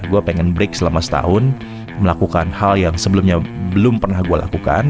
gue pengen break selama setahun melakukan hal yang sebelumnya belum pernah gue lakukan